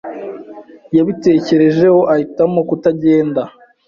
Yabitekerejeho, ahitamo kutagenda.